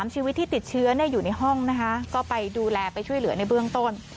ชีวิตที่ติดเชื้ออยู่ในห้องนะคะก็ไปดูแลไปช่วยเหลือในเบื้องต้น